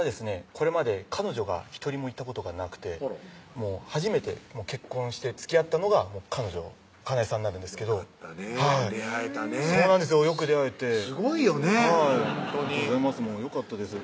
これまで彼女が１人もいたことがなくて初めて結婚してつきあったのが彼女加奈絵さんになるんですけどよかったね出会えたねそうなんですよよく出会えてすごいよねありがとうございますよかったです